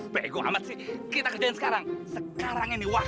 bego amat sih kita kerjain sekarang sekarang ini waktu